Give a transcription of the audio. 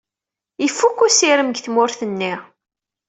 Ifukk usirem deg tmurt-nni.